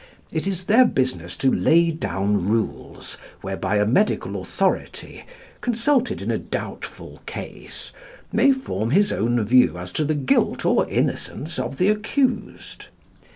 It is their business to lay down rules whereby a medical authority, consulted in a doubtful case, may form his own view as to the guilt or innocence of the accused.